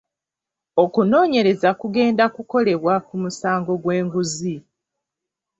Okunoonyereza kugenda kukolebwa ku musango gw'enguzi.